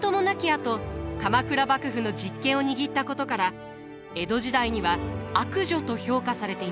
あと鎌倉幕府の実権を握ったことから江戸時代には悪女と評価されていました。